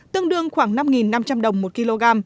tương đương khoảng năm năm trăm linh đồng một kg